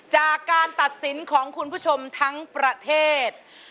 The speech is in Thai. จากการตัดสินของคุณผู้ชมทั้งประเทศ